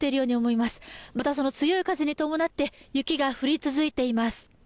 また、その強い風に伴って雪が降り続いています。